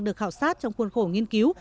được khảo sát trong khuôn khổ nghiên cứu